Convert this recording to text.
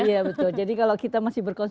iya betul jadi kalau kita masih berkontri